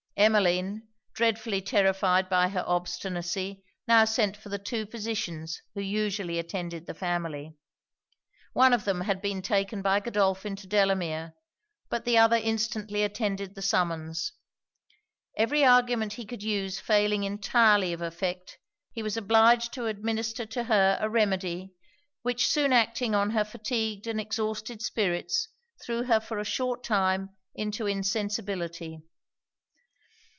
Emmeline, dreadfully terrified by her obstinacy, now sent for the two physicians who usually attended the family. One of them had been taken by Godolphin to Delamere; but the other instantly attended the summons. Every argument he could use failing entirely of effect, he was obliged to administer to her a remedy, which soon acting on her fatigued and exhausted spirits, threw her for a short time into insensibility.